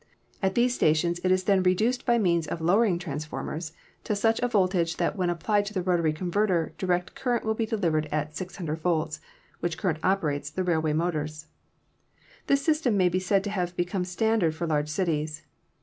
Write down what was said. At these stations it is then reduced by means of lowering transformers to such a voltage that when applied to the rotary converter direct current will be delivered at 600 volts, which current operates the rail way motors. This system may be said to have become standard for large cities.